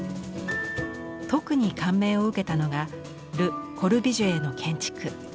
特に感銘を受けたのがル・コルビュジエの建築。